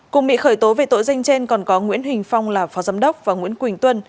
cùng bị khởi tố về tội danh trên còn có nguyễn huỳnh phong là phó giám đốc và nguyễn quỳnh tuân